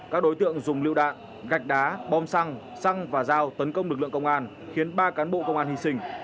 các đối tượng dùng lựu đạn gạch đá bom xăng và dao tấn công lực lượng công an khiến ba cán bộ công an hy sinh